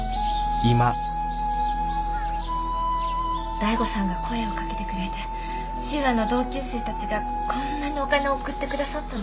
醍醐さんが声をかけてくれて修和の同級生たちがこんなにお金を送って下さったの。